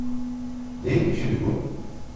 Neydi şimdi bu?